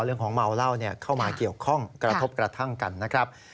เมาเหล้าเข้ามาเกี่ยวข้องกระทบกระทั่งกันนะครับ